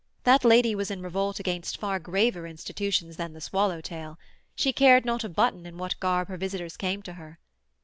That lady was in revolt against far graver institutions than the swallow tail; she cared not a button in what garb her visitors came to her.